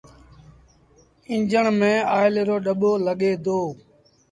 ايٚݩجڻ ميݩ آئيل رو ڏٻو لڳي دو۔